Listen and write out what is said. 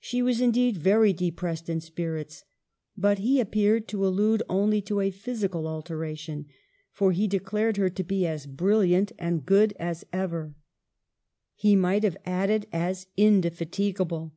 She was, indeed, very depressed in spirits ; but he appeared to allude only to a phys* ical alteration, for he declared her to be as bril liant and good as ever. He might have added as indefatigable.